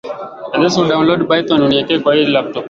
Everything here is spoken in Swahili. huko Cape Town na Port Elizabeth